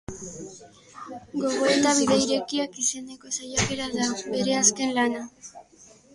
Gogoeta-bide irekiak izeneko saiakera da bere azken lana.